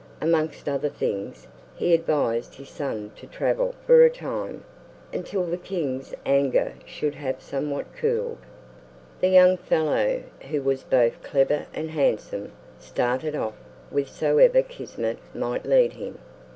Amongst other things, he advised his son to travel for a time, until the king's anger should have somewhat cooled. The young fellow, who was both clever and handsome, started off whithersoever Kismet might lead him.